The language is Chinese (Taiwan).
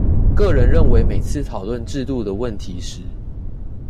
個人認為每次討論制度的問題時